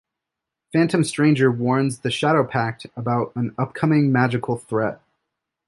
Phantom Stranger warns the Shadowpact about an upcoming magical threat.